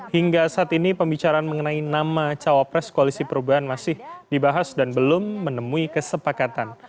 hingga saat ini pembicaraan mengenai nama cawapres koalisi perubahan masih dibahas dan belum menemui kesepakatan